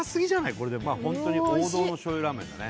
これでもホントに王道の醤油ラーメンだね